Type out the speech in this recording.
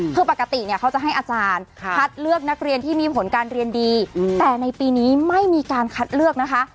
คือปกติเนี่ยเขาจะให้อาจารย์คัดเลือกนักเรียนที่มีผลการเรียนดีแต่ในปีนี้ไม่มีการคัดเลือกนะคะ